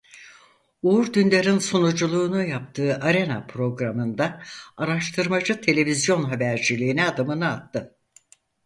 Uğur Dündar'ın sunuculuğunu yaptığı Arena programında araştırmacı televizyon haberciliğine adımını attı.